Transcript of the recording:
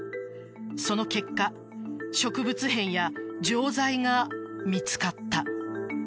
その結果植物片や錠剤が見つかった。